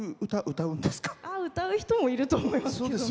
歌う人もいると思います。